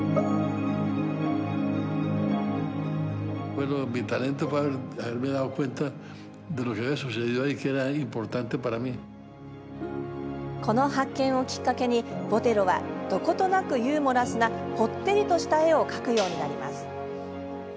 この発見をきっかけに、ボテロはどことなくユーモラスなぽってりとした絵を描くようになります。